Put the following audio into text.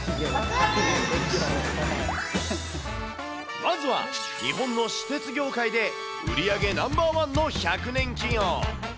まずは日本の私鉄業界で、売り上げナンバーワンの１００年企業。